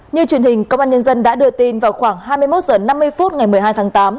như truyền hình công an nhân dân đã đưa tin vào khoảng hai mươi một h năm mươi phút ngày một mươi hai tháng tám